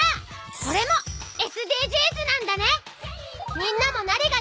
これもＳＤＧｓなんだね。